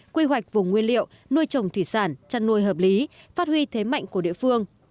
quy hoạch vùng nguyên liệu nuôi trồng thủy sản chăn nuôi hợp lý phát huy thế mạnh của địa phương